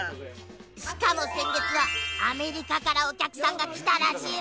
しかも先月はアメリカからお客さんが来たらしいわよ